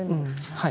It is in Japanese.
はい。